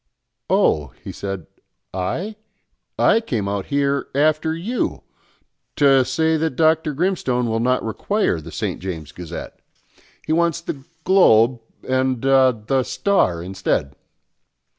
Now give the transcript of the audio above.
"Oh," he said, "I? I came out here, after you, to say that Dr. Grimstone will not require the St. James' Gazette. He wants the Globe and, ah, the Star instead."